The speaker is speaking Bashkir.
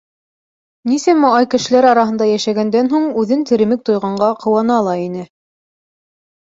Нисәмә ай кешеләр араһында йәшәгәндән һуң үҙен теремек тойғанға ҡыуана ла ине.